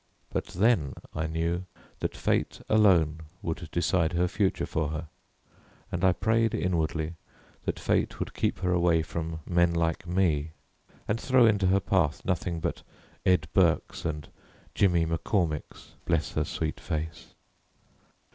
But then I knew that fate alone would decide her future for her, and I prayed inwardly that fate would keep her away from men like me and throw into her path nothing but Ed Burkes and Jimmy McCormicks, bless her sweet face!